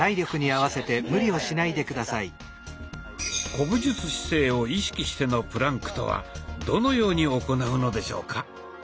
古武術姿勢を意識してのプランクとはどのように行うのでしょうか？